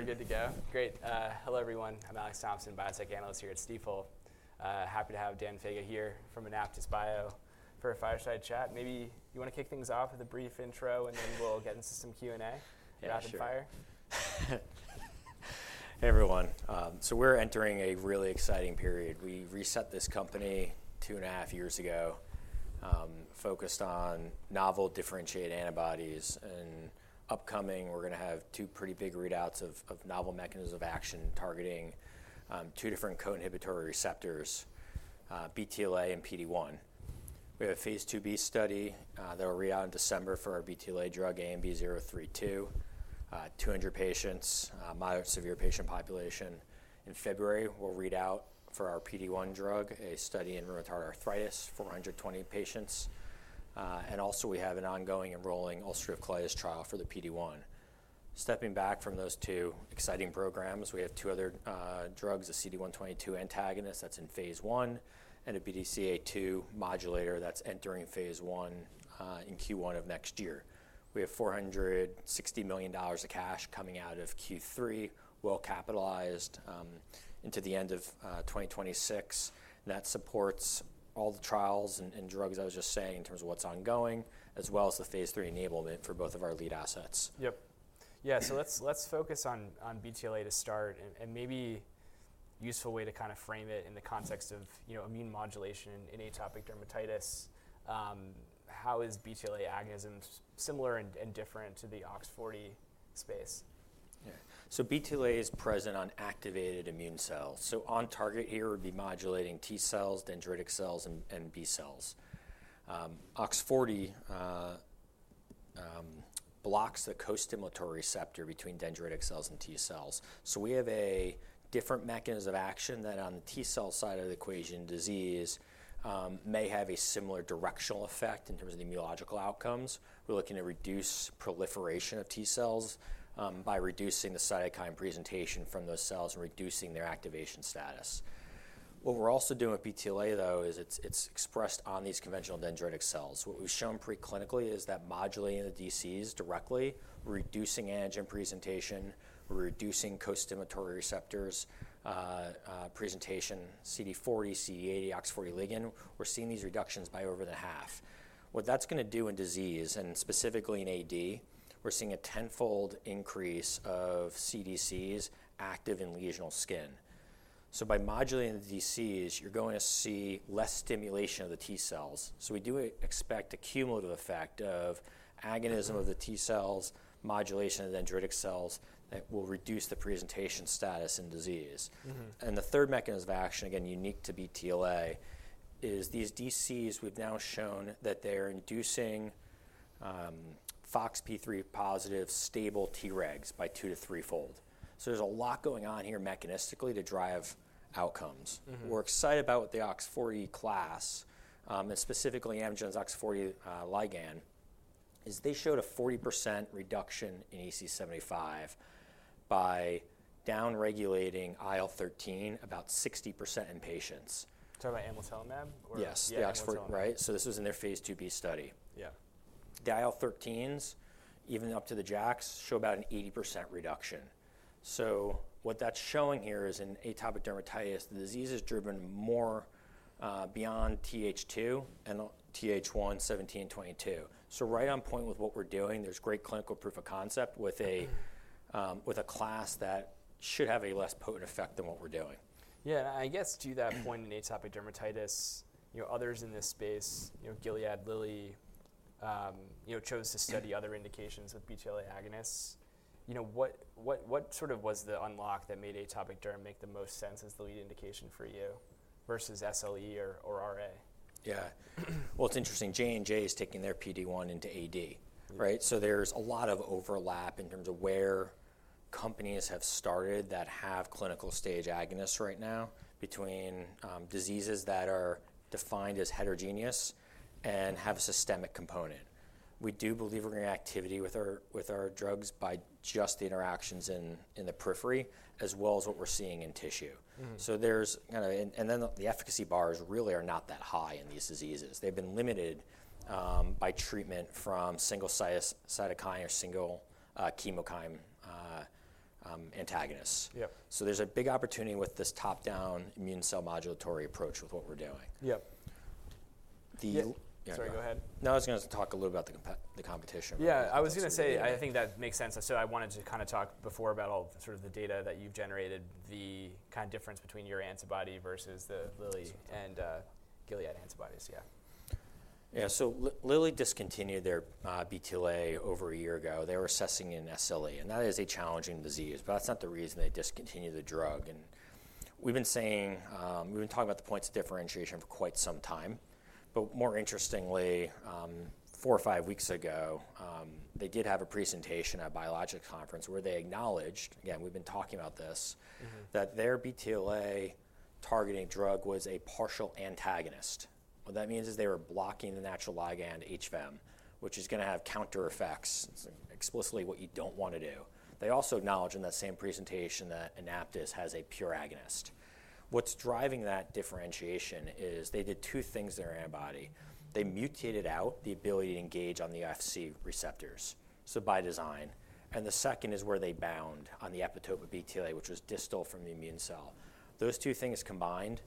We're good to go. Great. Hello, everyone. I'm Alex Thompson, biotech analyst here at Stifel. Happy to have Dan Faga here from AnaptysBio for a fireside chat. Maybe you want to kick things off with a brief intro, and then we'll get into some Q&A rapid fire. Hey, everyone. So we're entering a really exciting period. We reset this company two and a half years ago, focused on novel differentiated antibodies. And upcoming, we're going to have two pretty big readouts of novel mechanisms of action targeting two different co-inhibitory receptors, BTLA and PD-1. We have a phase II-B study that will readout in December for our BTLA drug, ANB032, 200 patients, moderate to severe patient population. In February, we'll readout for our PD-1 drug, a study in rheumatoid arthritis, 420 patients. And also, we have an ongoing and rolling ulcerative colitis trial for the PD-1. Stepping back from those two exciting programs, we have two other drugs, a CD122 antagonist that's in phase I, and a BDCA2 modulator that's entering phase I in Q1 of next year. We have $460 million of cash coming out of Q3, well capitalized into the end of 2026. That supports all the trials and drugs I was just saying in terms of what's ongoing, as well as the phase III enablement for both of our lead assets. Yep. Yeah, so let's focus on BTLA to start. And maybe a useful way to kind of frame it in the context of immune modulation in atopic dermatitis, how is BTLA agonism similar and different to the OX40 space? Yeah. BTLA is present on activated immune cells. On target here, it would be modulating T cells, dendritic cells, and B cells. OX40 blocks the co-stimulatory receptor between dendritic cells and T cells. We have a different mechanism of action that on the T cell side of the equation, disease may have a similar directional effect in terms of the immunological outcomes. We're looking to reduce proliferation of T cells by reducing the cytokine presentation from those cells and reducing their activation status. What we're also doing with BTLA, though, is it's expressed on these conventional dendritic cells. What we've shown preclinically is that modulating the DCs directly, reducing antigen presentation, reducing co-stimulatory receptors presentation, CD40, CD80, OX40 ligand. We're seeing these reductions by over half. What that's going to do in disease, and specifically in AD, we're seeing a tenfold increase of DCs active in lesional skin. So by modulating the DCs, you're going to see less stimulation of the T cells. So we do expect a cumulative effect of agonism of the T cells, modulation of dendritic cells that will reduce the presentation status in disease. And the third mechanism of action, again, unique to BTLA, is these DCs. We've now shown that they're inducing FOXP3 positive stable Tregs by two- to threefold. So there's a lot going on here mechanistically to drive outcomes. We're excited about what the OX40 class, and specifically Amgen's OX40 ligand, is. They showed a 40% reduction in EASI-75 by downregulating IL-13 about 60% in patients. Talking about Amlitelimab? Yes, the OX40, right? So this was in their phase II-B study. Yeah. The IL-13s, even up to the JAKs, show about an 80% reduction. So what that's showing here is in atopic dermatitis, the disease is driven more beyond Th2 and Th1/Th17/Th22. So right on point with what we're doing, there's great clinical proof of concept with a class that should have a less potent effect than what we're doing. Yeah, and I guess to that point in atopic dermatitis, others in this space, Gilead, Lilly, chose to study other indications of BTLA agonists. What sort of was the unlock that made atopic derm make the most sense as the lead indication for you versus SLE or RA? Yeah. Well, it's interesting. J&J is taking their PD-1 into AD, right? So there's a lot of overlap in terms of where companies have started that have clinical stage agonists right now between diseases that are defined as heterogeneous and have a systemic component. We do believe we're going to get activity with our drugs by just the interactions in the periphery, as well as what we're seeing in tissue. So there's kind of, and then the efficacy bars really are not that high in these diseases. They've been limited by treatment from single cytokine or single chemokine antagonists. So there's a big opportunity with this top-down immune cell modulatory approach with what we're doing. Yep. The. Sorry, go ahead. No, I was going to talk a little about the competition. Yeah, I was going to say, I think that makes sense. So I wanted to kind of talk before about all sort of the data that you've generated, the kind of difference between your antibody versus the Lilly and Gilead antibodies, yeah. Yeah, so Lilly discontinued their BTLA over a year ago. They were assessing an SLE, and that is a challenging disease, but that's not the reason they discontinued the drug. We've been saying, we've been talking about the points of differentiation for quite some time, but more interestingly, four or five weeks ago, they did have a presentation at a biologic conference where they acknowledged, again, we've been talking about this, that their BTLA targeting drug was a partial antagonist. What that means is they were blocking the natural ligand HVEM, which is going to have counter effects. It's explicitly what you don't want to do. They also acknowledged in that same presentation that Anaptys has a pure agonist. What's driving that differentiation is they did two things in their antibody. They mutated out the ability to engage on the Fc receptors, so by design. And the second is where they bound on the epitope of BTLA, which was distal from the immune cell. Those two things combined,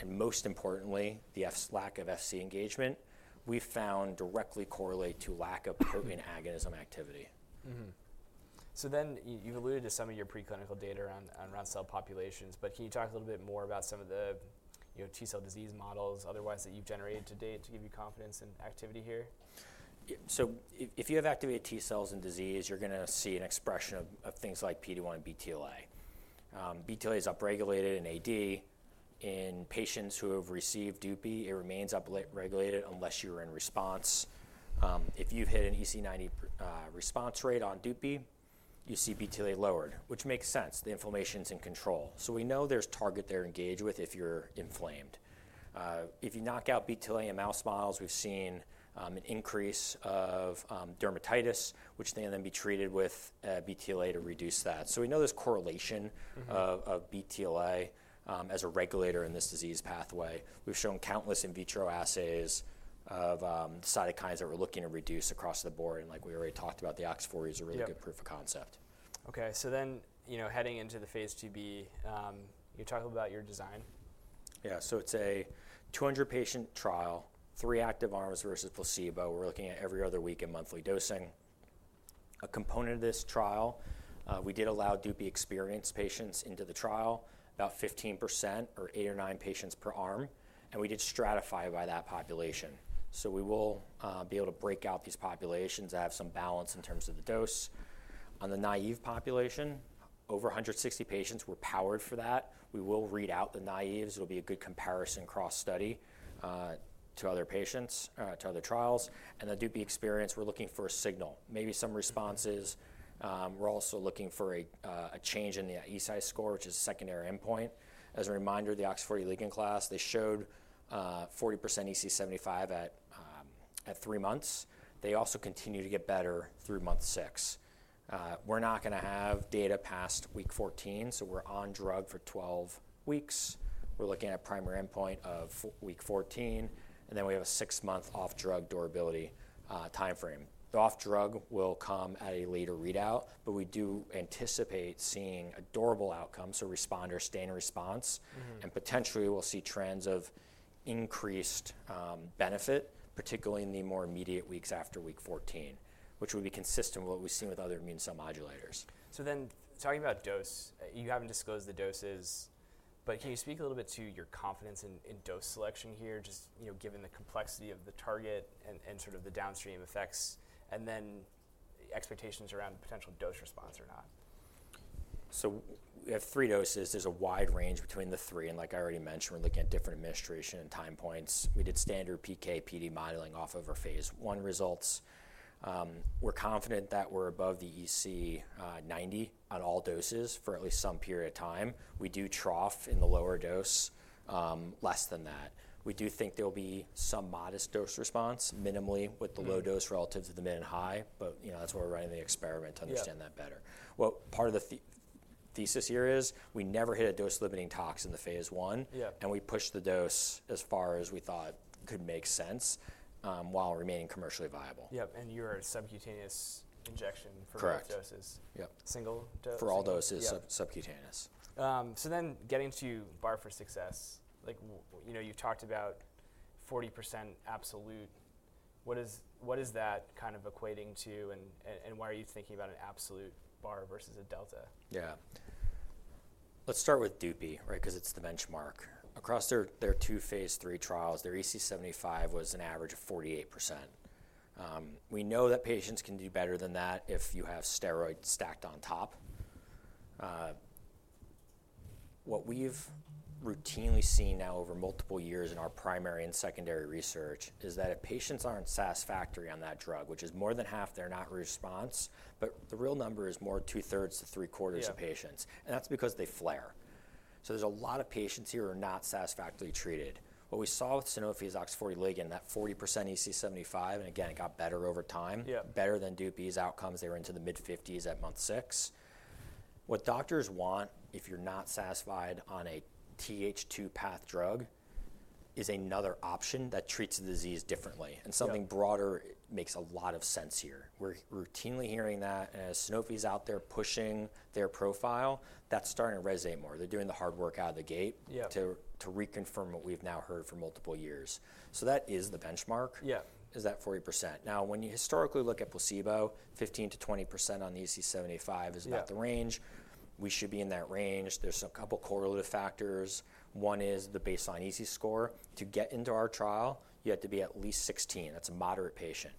and most importantly, the lack of Fc engagement, we found directly correlate to lack of protein agonism activity. So then you've alluded to some of your preclinical data around cell populations, but can you talk a little bit more about some of the T cell disease models otherwise that you've generated to date to give you confidence in activity here? So if you have activated T cells in disease, you're going to see an expression of things like PD-1 and BTLA. BTLA is upregulated in AD. In patients who have received Dupi, it remains upregulated unless you were in response. If you've hit an EASI-90 response rate on Dupi, you see BTLA lowered, which makes sense. The inflammation's in control. So we know there's target there to engage with if you're inflamed. If you knock out BTLA in mouse models, we've seen an increase of dermatitis, which they then be treated with BTLA to reduce that. So we know there's correlation of BTLA as a regulator in this disease pathway. We've shown countless in vitro assays of cytokines that we're looking to reduce across the board. And like we already talked about, the OX40 is a really good proof of concept. Okay, so then heading into the phase II-B, you talked about your design. Yeah, so it's a 200-patient trial, three active arms versus placebo. We're looking at every other week and monthly dosing. A component of this trial, we did allow Dupixent experienced patients into the trial, about 15% or eight or nine patients per arm. And we did stratify by that population. So we will be able to break out these populations that have some balance in terms of the dose. On the naive population, over 160 patients were powered for that. We will read out the naives. It'll be a good comparison cross study to other patients, to other trials. And the Dupixent experience, we're looking for a signal, maybe some responses. We're also looking for a change in the EASI score, which is a secondary endpoint. As a reminder, the OX40 ligand class, they showed 40% EASI-75 at three months. They also continue to get better through month six. We're not going to have data past week 14, so we're on drug for 12 weeks. We're looking at a primary endpoint of week 14, and then we have a six-month off-drug durability timeframe. The off-drug will come at a later readout, but we do anticipate seeing a durable outcome, so responders stay in response. And potentially, we'll see trends of increased benefit, particularly in the more immediate weeks after week 14, which would be consistent with what we've seen with other immune cell modulators. So then talking about dose, you haven't disclosed the doses, but can you speak a little bit to your confidence in dose selection here, just given the complexity of the target and sort of the downstream effects, and then expectations around potential dose response or not? So we have three doses. There's a wide range between the three. And like I already mentioned, we're looking at different administration and time points. We did standard PK/PD modeling off of our phase I results. We're confident that we're above the EC90 on all doses for at least some period of time. We do trough in the lower dose less than that. We do think there'll be some modest dose response, minimally, with the low dose relative to the mid and high, but that's why we're running the experiment to understand that better. What part of the thesis here is we never hit a dose-limiting toxicity in the phase I, and we pushed the dose as far as we thought could make sense while remaining commercially viable. Yep, and it's a subcutaneous injection for those doses. Correct. Yep. Single dose? For all doses, subcutaneous. So then getting to bar for success, you've talked about 40% absolute. What is that kind of equating to, and why are you thinking about an absolute bar versus a delta? Yeah. Let's start with Dupi, right, because it's the benchmark. Across their two phase III trials, their EASI-75 was an average of 48%. We know that patients can do better than that if you have steroids stacked on top. What we've routinely seen now over multiple years in our primary and secondary research is that if patients aren't satisfactory on that drug, which is more than half, they're not response, but the real number is more two-thirds to three-quarters of patients, and that's because they flare. So there's a lot of patients here who are not satisfactorily treated. What we saw with Sanofi's OX40 ligand, that 40% EASI-75, and again, it got better over time, better than Dupi's outcomes. They were into the mid-50s% at month six. What doctors want if you're not satisfied on a Th2 path drug is another option that treats the disease differently. Something broader makes a lot of sense here. We're routinely hearing that, and as Sanofi's out there pushing their profile, that's starting to resonate more. They're doing the hard work out of the gate to reconfirm what we've now heard for multiple years. That is the benchmark, is that 40%. Now, when you historically look at placebo, 15%-20% on the EASI-75 is about the range. We should be in that range. There's a couple of correlative factors. One is the baseline EASI score. To get into our trial, you have to be at least 16. That's a moderate patient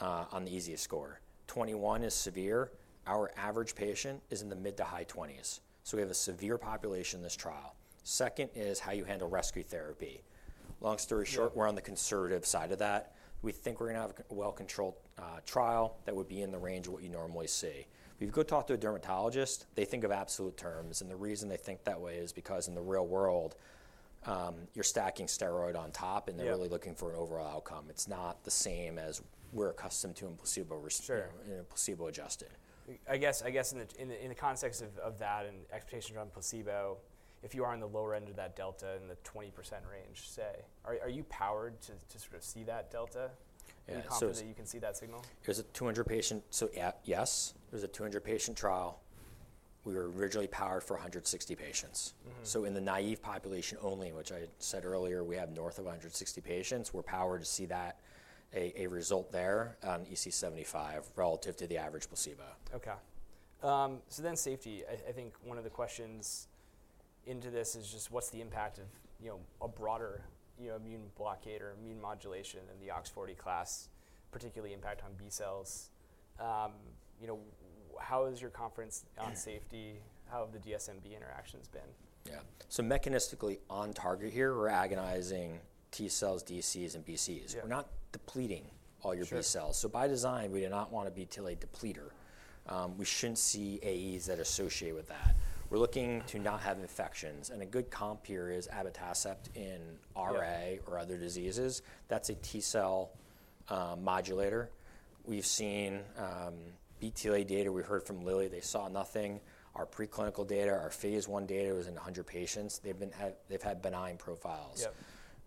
on the EASI score. 21 is severe. Our average patient is in the mid to high 20s. We have a severe population in this trial. Second is how you handle rescue therapy. Long story short, we're on the conservative side of that. We think we're going to have a well-controlled trial that would be in the range of what you normally see. If you go talk to a dermatologist, they think of absolute terms, and the reason they think that way is because in the real world, you're stacking steroid on top, and they're really looking for an overall outcome. It's not the same as we're accustomed to in placebo adjusted. I guess in the context of that and expectations around placebo, if you are in the lower end of that delta in the 20% range, say, are you powered to sort of see that delta? Yeah, so. In the conference, that you can see that signal? There's a 200-patient, so yes, there's a 200-patient trial. We were originally powered for 160 patients. So in the naive population only, which I said earlier, we have north of 160 patients, we're powered to see that a result there on EASI-75 relative to the average placebo. Okay. So then safety, I think one of the questions into this is just what's the impact of a broader immune blockade or immune modulation in the OX40 class, particularly impact on B cells? How has your confidence on safety, how have the DSMB interactions been? Yeah. So mechanistically on target here, we're agonizing T cells, DCs, and B cells. We're not depleting all your B cells. So by design, we do not want to be BTLA depleter. We shouldn't see AEs that associate with that. We're looking to not have infections. And a good comp here is Abatacept in RA or other diseases. That's a T cell modulator. We've seen BTLA data. We heard from Lilly. They saw nothing. Our preclinical data, our phase I data was in 100 patients. They've had benign profiles.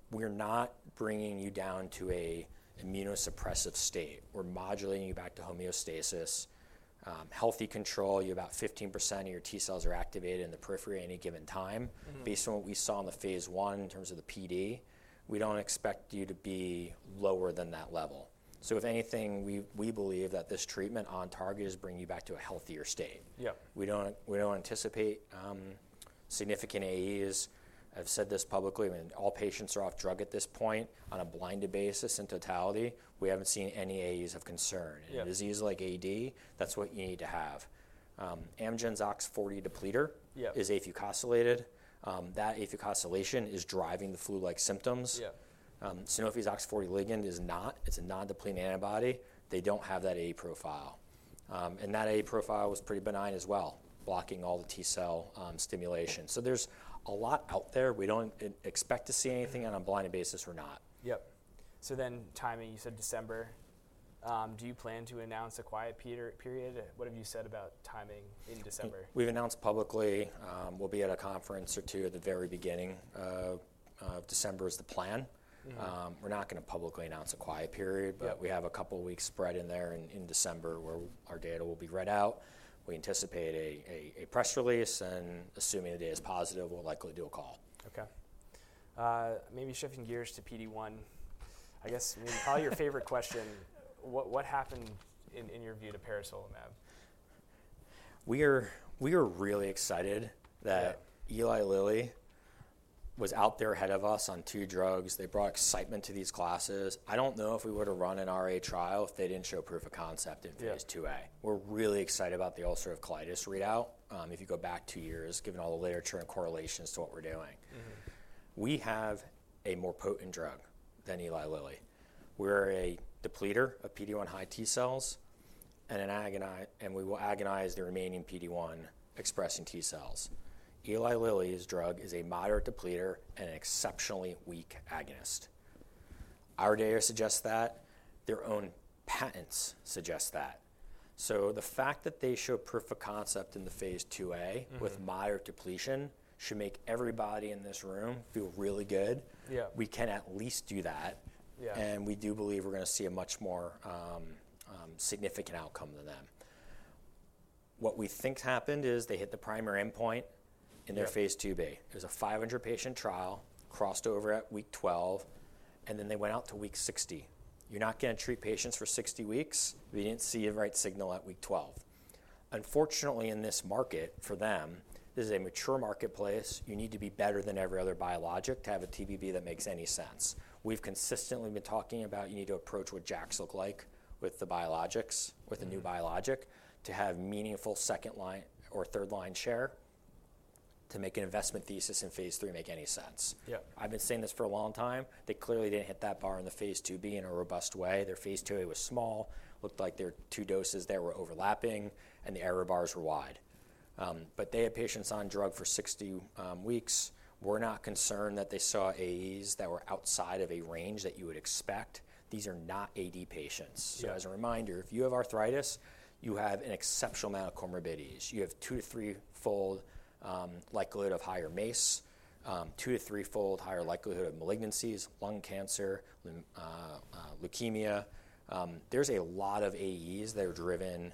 We're not bringing you down to an immunosuppressive state. We're modulating you back to homeostasis. Healthy control, you're about 15% of your T cells are activated in the periphery at any given time. Based on what we saw in the phase I in terms of the PD, we don't expect you to be lower than that level. So if anything, we believe that this treatment on target is bringing you back to a healthier state. We don't anticipate significant AEs. I've said this publicly. I mean, all patients are off drug at this point on a blinded basis in totality. We haven't seen any AEs of concern. In diseases like AD, that's what you need to have. Amgen's OX40 depleter is afucosylated. That afucosylation is driving the flu-like symptoms. Sanofi's OX40 ligand is not. It's a non-depleting antibody. They don't have that AE profile. And that AE profile was pretty benign as well, blocking all the T cell stimulation. So there's a lot out there. We don't expect to see anything on a blinded basis or not. Yep. So then, timing, you said December. Do you plan to announce a quiet period? What have you said about timing in December? We've announced publicly. We'll be at a conference or two at the very beginning of December is the plan. We're not going to publicly announce a quiet period, but we have a couple of weeks spread in there in December where our data will be read out. We anticipate a press release, and assuming the data is positive, we'll likely do a call. Okay. Maybe shifting gears to PD-1, I guess probably your favorite question. What happened in your view to peresolimab? We are really excited that Eli Lilly was out there ahead of us on two drugs. They brought excitement to these classes. I don't know if we would have run an RA trial if they didn't show proof of concept in phase IIA. We're really excited about the ulcerative colitis readout if you go back two years, given all the literature and correlations to what we're doing. We have a more potent drug than Eli Lilly. We're a depleter of PD-1 high T cells and an agonist, and we will agonize the remaining PD-1 expressing T cells. Eli Lilly's drug is a moderate depleter and an exceptionally weak agonist. Our data suggests that. Their own patents suggest that. So the fact that they show proof of concept in the phase IIA with moderate depletion should make everybody in this room feel really good. We can at least do that, and we do believe we're going to see a much more significant outcome than them. What we think happened is they hit the primary endpoint in their phase II-B. It was a 500-patient trial crossed over at week 12, and then they went out to week 60. You're not going to treat patients for 60 weeks. We didn't see a right signal at week 12. Unfortunately, in this market for them, this is a mature marketplace. You need to be better than every other biologic to have a TBB that makes any sense. We've consistently been talking about you need to approach what JAKs look like with the biologics, with a new biologic to have meaningful second line or third line share to make an investment thesis in phase III make any sense. I've been saying this for a long time. They clearly didn't hit that bar in the phase II-B in a robust way. Their phase IIA was small. It looked like their two doses there were overlapping, and the error bars were wide. But they had patients on drug for 60 weeks. We're not concerned that they saw AEs that were outside of a range that you would expect. These are not AD patients. So as a reminder, if you have arthritis, you have an exceptional amount of comorbidities. You have two to three-fold likelihood of higher MACE, two to three-fold higher likelihood of malignancies, lung cancer, leukemia. There's a lot of AEs that are driven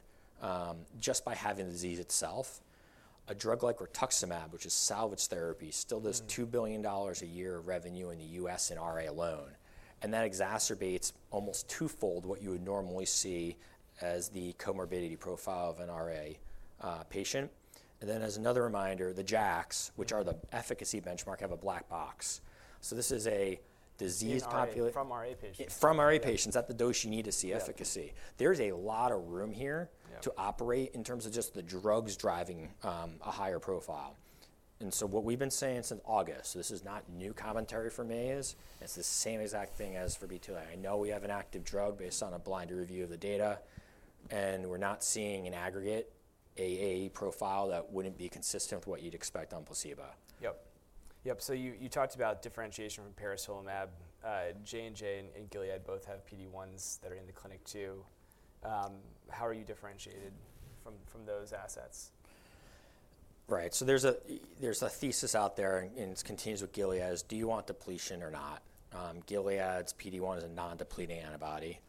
just by having the disease itself. A drug like rituximab, which is salvage therapy, still does $2 billion a year of revenue in the U.S. in RA alone. That exacerbates almost twofold what you would normally see as the comorbidity profile of an RA patient. Then as another reminder, the JAKs, which are the efficacy benchmark, have a black box. This is a disease population. From RA patients. From RA patients. That's the dose you need to see efficacy. There's a lot of room here to operate in terms of just the drugs driving a higher profile. And so what we've been saying since August, this is not new commentary from AEs. It's the same exact thing as for BTLA. I know we have an active drug based on a blind review of the data, and we're not seeing an aggregate AE profile that wouldn't be consistent with what you'd expect on placebo. Yep. Yep. So you talked about differentiation from peresolimab. J&J and Gilead both have PD-1s that are in the clinic too. How are you differentiated from those assets? Right. So there's a thesis out there, and it continues with Gilead's, do you want depletion or not? Gilead's PD-1 is a non-depleting antibody.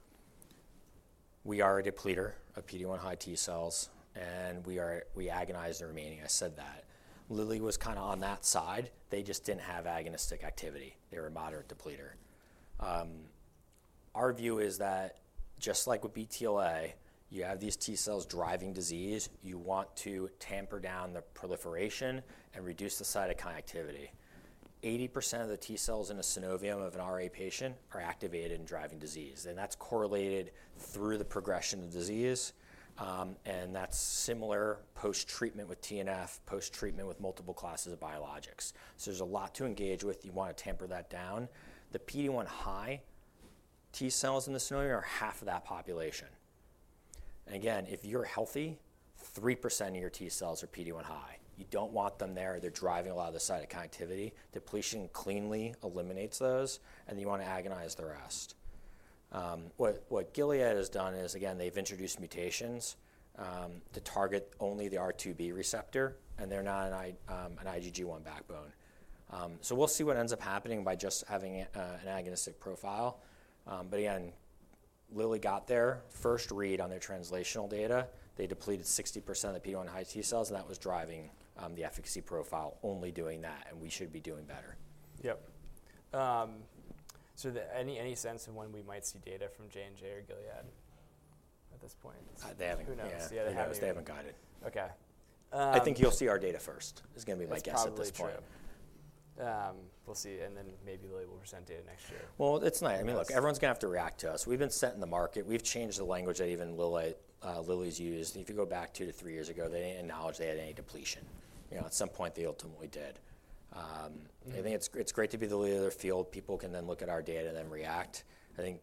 We are a depleter of PD-1 high T cells, and we agonize the remaining. I said that. Lilly was kind of on that side. They just didn't have agonistic activity. They were a moderate depleter. Our view is that just like with BTLA, you have these T cells driving disease. You want to tamp down the proliferation and reduce the cytokine activity. 80% of the T cells in a synovium of an RA patient are activated and driving disease, and that's correlated through the progression of disease, and that's similar post-treatment with TNF, post-treatment with multiple classes of biologics, so there's a lot to engage with. You want to tamp that down. The PD-1 high T cells in the synovium are half of that population. Again, if you're healthy, 3% of your T cells are PD-1 high. You don't want them there. They're driving a lot of the cytokine activity. Depletion cleanly eliminates those, and you want to agonize the rest. What Gilead has done is, again, they've introduced mutations to target only the R2B receptor, and they're not an IgG1 backbone. So we'll see what ends up happening by just having an agonistic profile. Again, Lilly got there. First read on their translational data, they depleted 60% of the PD-1 high T cells, and that was driving the efficacy profile, only doing that, and we should be doing better. Yep. So any sense of when we might see data from J&J or Gilead at this point? They haven't guided us. Who knows? They haven't guided us. Okay. I think you'll see our data first is going to be my guess at this point. We'll see. And then maybe Lilly will present data next year. It's not. I mean, look, everyone's going to have to react to us. We've been ahead in the market. We've changed the language that even Lilly's used. If you go back two to three years ago, they didn't acknowledge they had any depletion. At some point, they ultimately did. I think it's great to be the leader of the field. People can then look at our data and then react. I think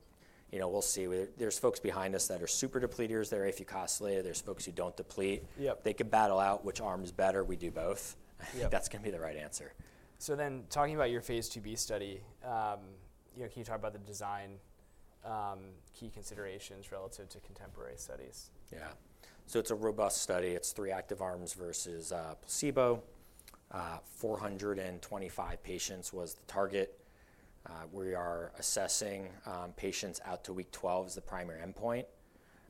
we'll see. There's folks behind us that are super depleters. They're afucosylated. There's folks who don't deplete. They can battle out which arm is better. We do both. That's going to be the right answer. So then talking about your phase II-B study, can you talk about the design key considerations relative to contemporary studies? Yeah. So it's a robust study. It's three active arms versus placebo. 425 patients was the target. We are assessing patients out to week 12 as the primary endpoint.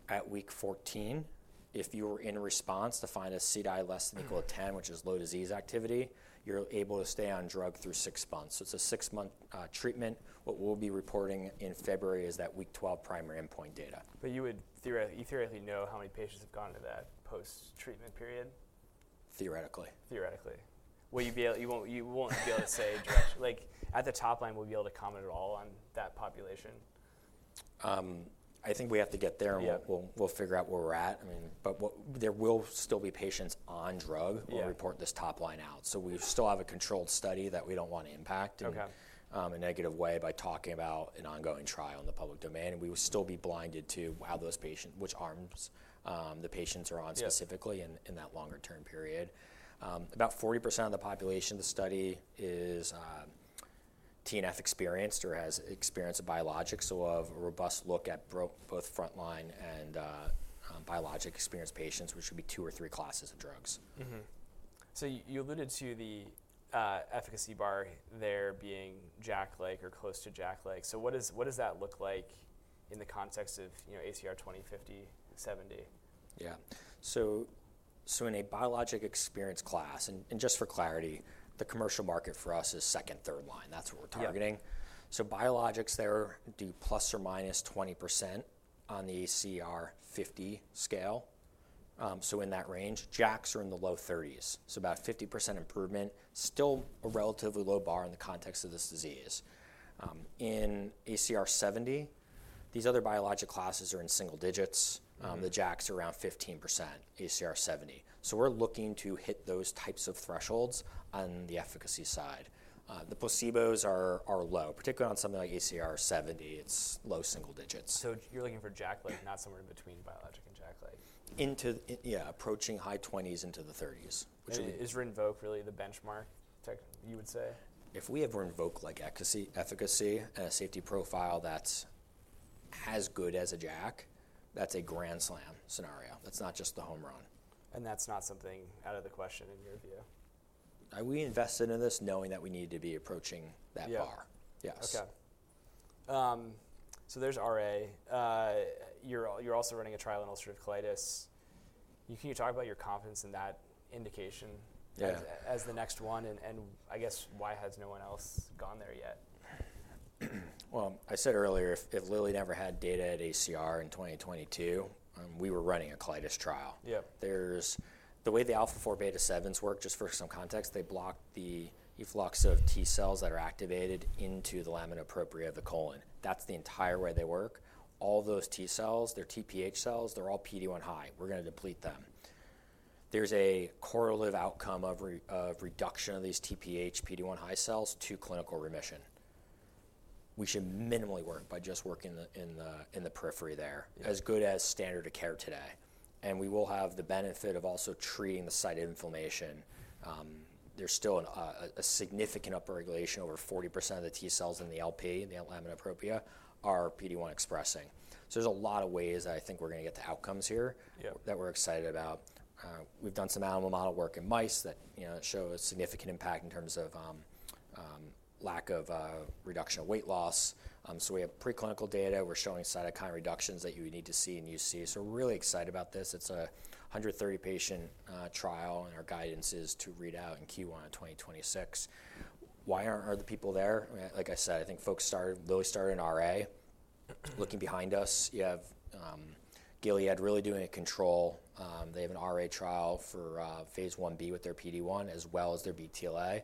At week 14, if you were in response to find a CDAI less than equal to 10, which is low disease activity, you're able to stay on drug through six months. So it's a six-month treatment. What we'll be reporting in February is that week 12 primary endpoint data. But you would theoretically know how many patients have gone to that post-treatment period? Theoretically. Theoretically. You won't be able to say, at the top line, we'll be able to comment at all on that population? I think we have to get there, and we'll figure out where we're at. I mean, but there will still be patients on drug. We'll report this top line out. So we still have a controlled study that we don't want to impact in a negative way by talking about an ongoing trial in the public domain. We will still be blinded to how those patients, which arms the patients are on specifically in that longer-term period. About 40% of the population of the study is TNF experienced or has experience of biologics, so a robust look at both frontline and biologic experienced patients, which would be two or three classes of drugs. So you alluded to the efficacy bar there being JAK-like or close to JAK-like. So what does that look like in the context of ACR50, 70? Yeah. So, in a biologics experience class, and just for clarity, the commercial market for us is second- and third-line. That's what we're targeting. So biologics there do plus or minus 20% on the ACR50 scale. So in that range, JAKs are in the low 30s. So about 50% improvement, still a relatively low bar in the context of this disease. In ACR70, these other biologic classes are in single digits. The JAKs are around 15% ACR70. So we're looking to hit those types of thresholds on the efficacy side. The placebos are low, particularly on something like ACR70. It's low single digits. So you're looking for JAK-like, not somewhere in between biologic and JAK-like? Yeah, approaching high 20s into the 30s. Is RINVOQ really the benchmark, you would say? If we have RINVOQ like efficacy, a safety profile that's as good as a JAK, that's a grand slam scenario. That's not just the home run. That's not something out of the question in your view? We invested in this knowing that we needed to be approaching that bar. Yes. Okay. So there's RA. You're also running a trial in ulcerative colitis. Can you talk about your confidence in that indication as the next one? And I guess why has no one else gone there yet? I said earlier, if Lilly never had data at ACR in 2022, we were running a colitis trial. The way the alpha-4 beta-7s work, just for some context, they block the efflux of T cells that are activated into the lamina propria of the colon. That's the entire way they work. All those T cells, they're TPH cells. They're all PD-1 high. We're going to deplete them. There's a correlative outcome of reduction of these TPH, PD-1 high cells to clinical remission. We should minimally work by just working in the periphery there, as good as standard of care today. And we will have the benefit of also treating the site of inflammation. There's still a significant upregulation. Over 40% of the T cells in the LP, the lamina propria, are PD-1 expressing. So there's a lot of ways that I think we're going to get the outcomes here that we're excited about. We've done some animal model work in mice that show a significant impact in terms of lack of reduction of weight loss. So we have preclinical data. We're showing cytokine reductions that you would need to see in UC. So we're really excited about this. It's a 130-patient trial, and our guidance is to read out in Q1 of 2026. Why aren't other people there? Like I said, I think folks started. Lilly started in RA. Looking behind us, you have Gilead really doing a control. They have an RA trial for phase 1-B with their PD-1, as well as their BTLA.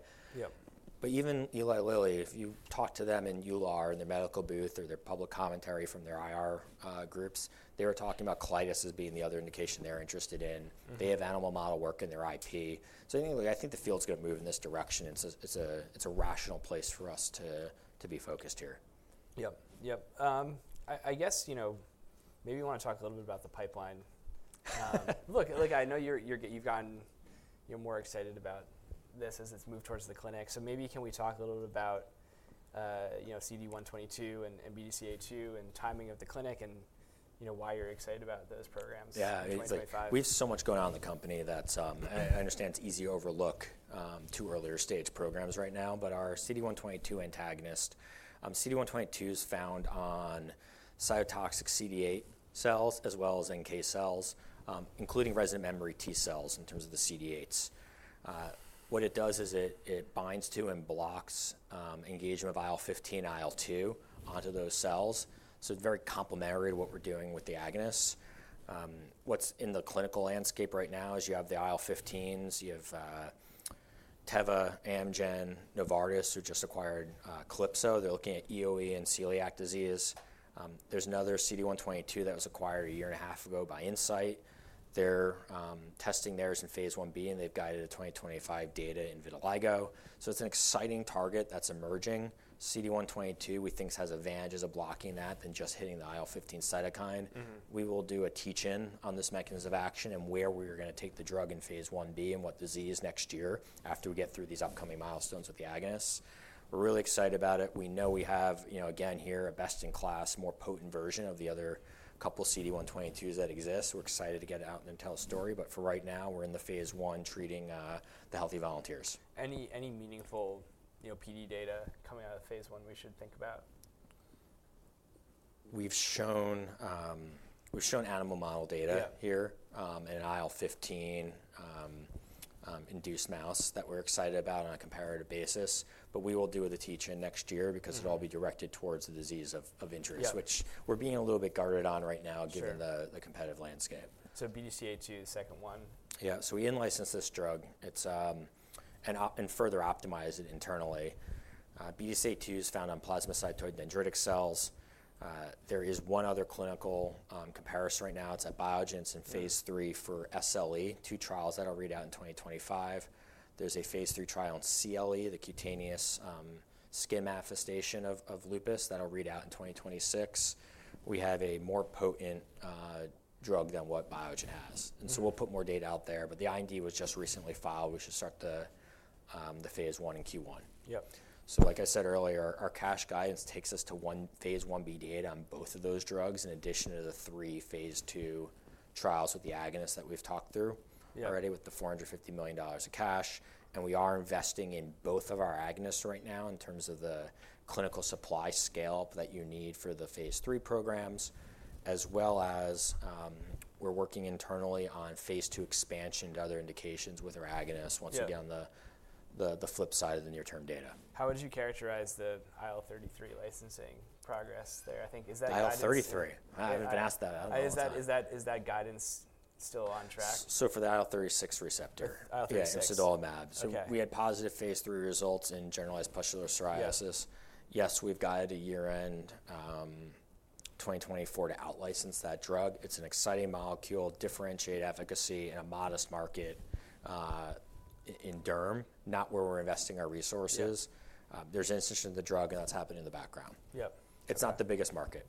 But even Eli Lilly, if you talk to them in EULAR and their medical booth or their public commentary from their IR groups, they were talking about colitis as being the other indication they're interested in. They have animal model work in their IP. So I think the field's going to move in this direction. It's a rational place for us to be focused here. Yep. Yep. I guess maybe you want to talk a little bit about the pipeline. Look, I know you've gotten more excited about this as it's moved towards the clinic. So maybe can we talk a little bit about CD122 and BDCA2 and timing of the clinic and why you're excited about those programs in 2025? Yeah. We have so much going on in the company that I understand it's easy to overlook two earlier stage programs right now. But our CD122 antagonist, CD122 is found on cytotoxic CD8 cells as well as NK cells, including resident memory T cells in terms of the CD8s. What it does is it binds to and blocks engagement of IL-15 and IL-2 onto those cells. So it's very complementary to what we're doing with the agonists. What's in the clinical landscape right now is you have the IL-15s. You have Teva, Amgen, Novartis, who just acquired Calypso. They're looking at EOE and celiac disease. There's another CD122 that was acquired a year and a half ago by Incyte. They're testing theirs in phase IB, and they've guided a 2025 data in vitiligo. So it's an exciting target that's emerging. CD122, we think has advantages of blocking that than just hitting the IL-15 cytokine. We will do a teach-in on this mechanism of action and where we are going to take the drug in phase I/B and what disease next year after we get through these upcoming milestones with the agonists. We're really excited about it. We know we have, again, here a best-in-class, more potent version of the other couple of CD122s that exist. We're excited to get it out and then tell a story. But for right now, we're in the phase I treating the healthy volunteers. Any meaningful PD data coming out of phase I we should think about? We've shown animal model data here in IL-15 induced mouse that we're excited about on a comparative basis. But we will do the teach-in next year because it'll all be directed towards the disease of interest, which we're being a little bit guarded on right now given the competitive landscape. So BDCA2, the second one? Yeah. So we in-licensed this drug and further optimized it internally. BDCA2 is found on plasmacytoid dendritic cells. There is one other clinical comparison right now. It's at Biogen. It's in phase III for SLE, two trials that'll read out in 2025. There's a phase III trial in CLE, the cutaneous skin manifestation of lupus that'll read out in 2026. We have a more potent drug than what Biogen has. And so we'll put more data out there. But the IND was just recently filed. We should start the phase I in Q1. So like I said earlier, our cash guidance takes us to one phase I-B data on both of those drugs in addition to the three phase II trials with the agonist that we've talked through already with the $450 million of cash. We are investing in both of our agonists right now in terms of the clinical supply scale that you need for the phase III programs, as well as we're working internally on phase II expansion to other indications with our agonist once we get on the flip side of the near-term data. How would you characterize the IL-33 licensing progress there? I think is that. IL-33? I haven't been asked that. Is that guidance still on track? So for the IL-36 receptor, it's Imsidolimab. So we had positive phase III results in generalized pustular psoriasis. Yes, we've guided a year-end 2024 to out-license that drug. It's an exciting molecule, differentiated efficacy in a modest market in derm, not where we're investing our resources. There's out-licensing of the drug, and that's happening in the background. It's not the biggest market.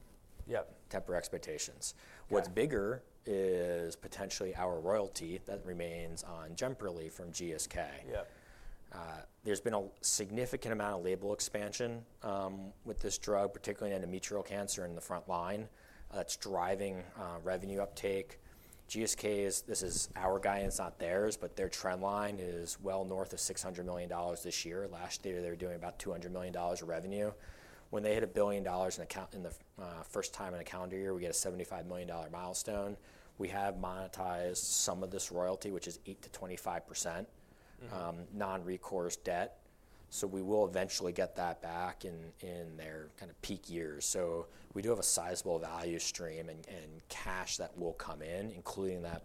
Tempered expectations. What's bigger is potentially our royalty that remains on Jemperli from GSK. There's been a significant amount of label expansion with this drug, particularly in endometrial cancer in the frontline. That's driving revenue uptake. GSK, this is our guidance, not theirs, but their trend line is well north of $600 million this year. Last year, they were doing about $200 million of revenue. When they hit $1 billion for the first time in a calendar year, we get a $75 million milestone. We have monetized some of this royalty, which is 8%-25% non-recourse debt. So we will eventually get that back in their kind of peak years. So we do have a sizable value stream and cash that will come in, including that.